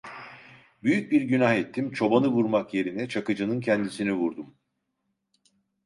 Büyük bir günah ettim, çobanı vurmak yerine Çakıcı’nın kendisini vurdum…